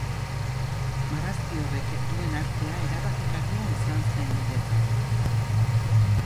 Marrazki horrek duen artea erabakigarria izan zen niretzat.